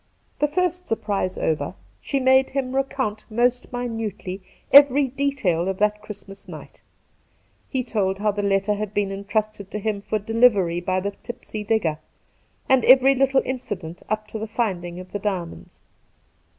The first surprise over, she made him recount most minutely every detail of that Christmas night. He told how the letter had been entrusted to him for delivery by the tipsy digger, and every little incident up to the finding of the diamonds.